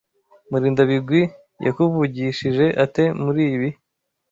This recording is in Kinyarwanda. Murindabigwi yakuvugishije ate muri ibi?